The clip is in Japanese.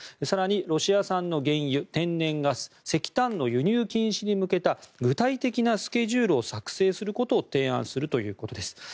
更に、ロシア産の原油、天然ガス、石炭の輸入禁止に向けた具体的なスケジュールを作成することを提案するということです。